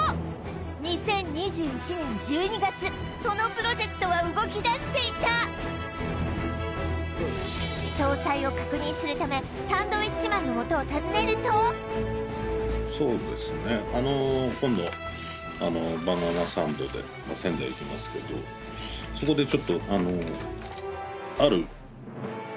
２０２１年１２月そのプロジェクトは動きだしていた詳細を確認するためサンドウィッチマンのもとを訪ねるとそうですね